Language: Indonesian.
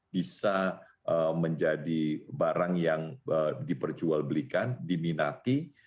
bisa menjadi barang yang diperjualbelikan diminati